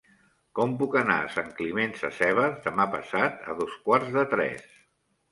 Com puc anar a Sant Climent Sescebes demà passat a dos quarts de tres?